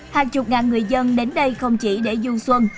hàng chục ngàn người dân đến đây không chỉ để du xuân